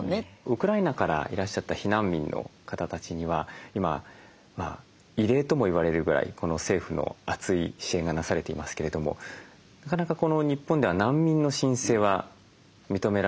ウクライナからいらっしゃった避難民の方たちには今異例とも言われるぐらい政府のあつい支援がなされていますけれどもなかなかこの日本では難民の申請は認められにくいという現状もあります。